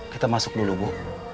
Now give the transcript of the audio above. kita masuk dulu bu